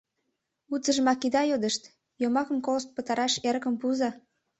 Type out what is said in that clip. — Утыжымак ида йодышт, йомакым колышт пытараш эрыкым пуыза!